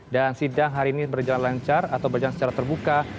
dan sidang hari ini berjalan lancar atau berjalan secara terbuka